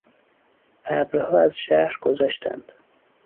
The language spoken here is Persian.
ابرها از شهر گذشتند.